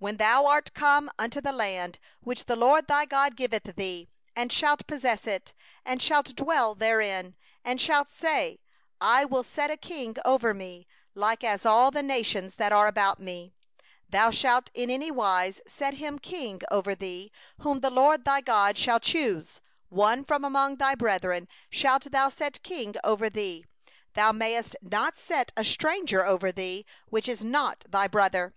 14When thou art come unto the land which the LORD thy God giveth thee, and shalt possess it, and shalt dwell therein; and shalt say: 'I will set a king over me, like all the nations that are round about me'; 15thou shalt in any wise set him king over thee, whom the LORD thy God shall choose; one from among thy brethren shalt thou set king over thee; thou mayest not put a foreigner over thee, who is not thy brother.